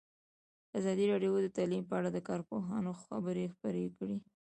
ازادي راډیو د تعلیم په اړه د کارپوهانو خبرې خپرې کړي.